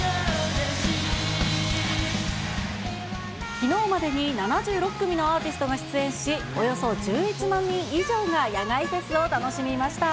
きのうまでに７６組のアーティストが出演し、およそ１１万人以上が野外フェスを楽しみました。